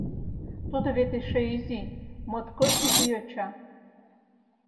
Тудо вет эше изи, моткоч изи йоча.